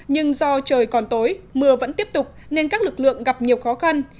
nhưng do trời còn tối mưa vẫn tiếp tục nên các lực lượng gặp nhiều khó khăn